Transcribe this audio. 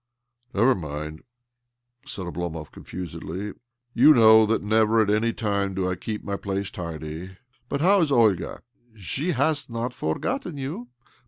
" Never mind," said Oblomov confusedly. " You know that never at any time do I keep my place tidy. But how is Olga?" " She has not forgotten you.